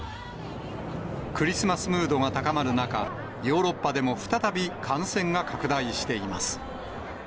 クリスマスムードが高まる中、ヨーロッパでも再び感染が拡大しています。